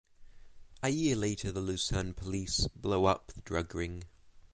A year later the Lucerne police blow up the drug ring.